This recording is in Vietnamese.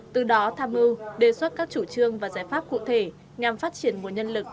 từ đó tham mưu đề xuất các chủ trương và giải pháp cụ thể nhằm phát triển nguồn nhân lực